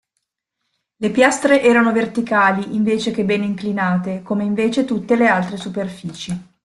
Le piastre erano verticali invece che ben inclinate, come invece tutte le altre superfici.